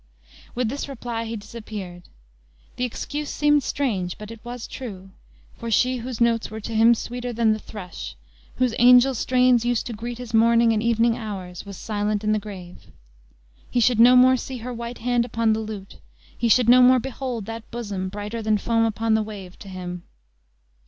With this reply he disappeared. The excuse seemed strange but it was true; for she whose notes were to him sweeter than the thrush whose angel strains used to greet his morning and evening hours was silent in the grave! He should no more see her white hand upon the lute; he should no more behold that bosom, brighter than foam upon the wave, to him?